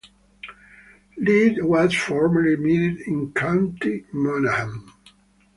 Lead was formerly mined in County Monaghan.